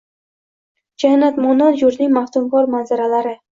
Jannatmonand yurtning maftunkor manzaralari